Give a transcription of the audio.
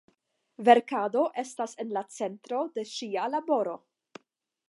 Verkado estas en la centro de ŝia laboro.